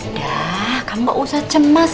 udah kamu usah cemas